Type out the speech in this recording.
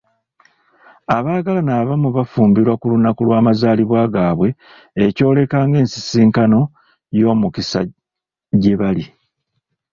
Abaagalana abamu bafumbirwa ku lunaku lw'amazaalibwa gaabwe ekyeyoleka ng'ensisinkano y'omukisa gye bali.